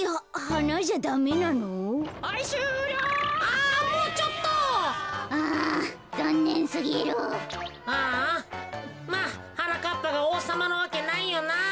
はあまあはなかっぱがおうさまのわけないよなあ。